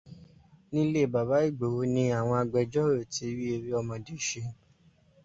Nílé Bàbá Ìgbòho ni àwọn àgbẹjọ́rò ti rí eré ọmọdé ṣe